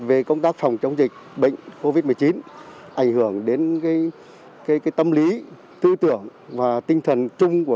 về công tác phòng chống dịch bệnh covid một mươi chín ảnh hưởng đến tâm lý tư tưởng và tinh thần chung của